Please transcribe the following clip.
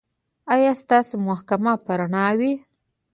ایا ستاسو محکمه به رڼه وي؟